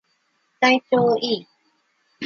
体調いい